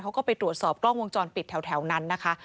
เขาก็ไปตรวจสอบกล้องวงจรปิดแถวนั้นนะคะ